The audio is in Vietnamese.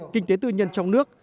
kinh tế tư nhân trong nước